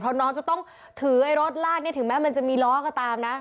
เพราะน้องจะต้องถือรถลากถึงแมสมันจะมีล้อก็ตามนะ